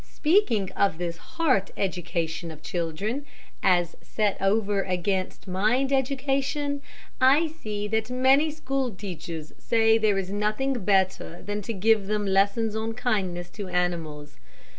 Speaking of this heart education of children, as set over against mind education, I see that many school teachers say that there is nothing better than to give them lessons on kindness to animals.